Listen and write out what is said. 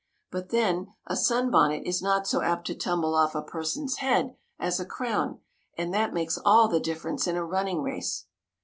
But then, a sunbonnet is not so apt to tumble off a person's head as a crown, and that makes all the difference in a running race.